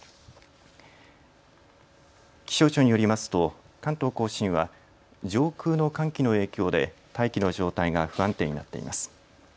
気象庁によりますと関東甲信は上空の寒気の影響で大気の状態が不安定になっています。